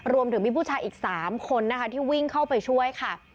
รวมถึงมีผู้ชายอีก๓คนนะคะที่วิ่งเข้าไปช่วยค่ะ